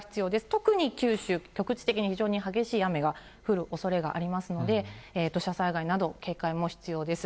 特に九州、局地的に非常に激しい雨が降るおそれがありますので、土砂災害など警戒も必要です。